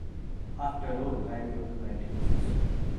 After all, I am your commanding officer.